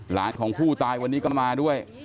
ของผู้ตายวันนี้ก็มาด้วย